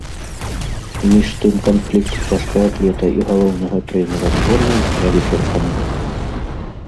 Між тым канфлікт цяжкаатлета і галоўнага трэнера зборнай не вычарпаны.